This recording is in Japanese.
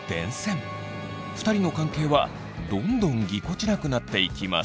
２人の関係はどんどんぎこちなくなっていきます。